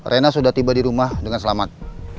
rena sudah tiba di rumah dengan selamat